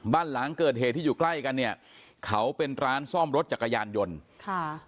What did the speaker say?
บ้านหลังเกิดเหตุที่อยู่ใกล้กันเนี่ยเขาเป็นร้านซ่อมรถจักรยานยนต์ค่ะ